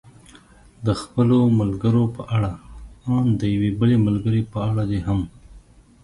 د خپلو ملګرو په اړه، ان د یوې بلې ملګرې په اړه دې هم.